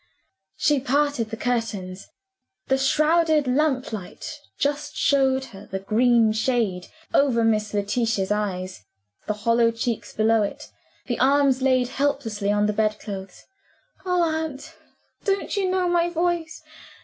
She parted the curtains. The shrouded lamplight just showed her the green shade over Miss Letitia's eyes the hollow cheeks below it the arms laid helplessly on the bed clothes. "Oh, aunt, don't you know my voice?